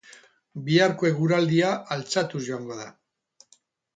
Biharko eguraldia atxatuz joango da.